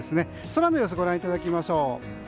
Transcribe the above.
空の様子ご覧いただきましょう。